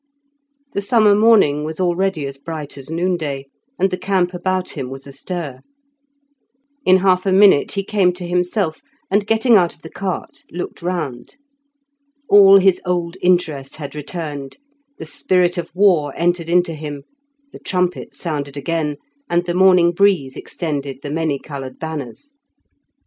The summer morning was already as bright as noonday, and the camp about him was astir. In half a minute he came to himself, and getting out of the cart looked round. All his old interest had returned, the spirit of war entered into him, the trumpet sounded again, and the morning breeze extended the many coloured banners.